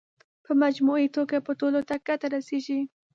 په مجموعي توګه به ټولو ته ګټه رسېږي.